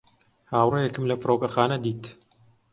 هاوڕێیەکم لە فڕۆکەخانە دیت.